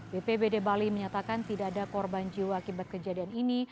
bpbd bali menyatakan tidak ada korban jiwa akibat kejadian ini